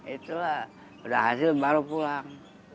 itu lah berhasil baru pulang